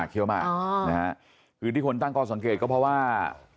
เคี้ยวมากคือที่คนตั้งข้อสังเกตก็เพราะว่า